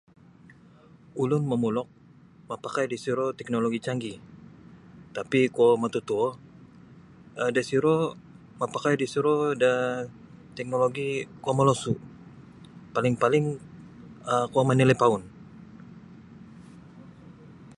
Ulun mamulok mapakai di siro teknologi canggih tapi kuo matotuo um da siro mapakai da siro da teknologi kuo molosu paling-paling um kuo manalipaun.